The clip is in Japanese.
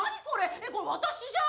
えっこれ私じゃん！